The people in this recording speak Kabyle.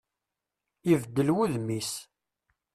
Ibeddel wudem-is.